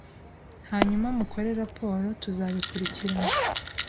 Hanyuma mukore raporo tuzabikurikirana.”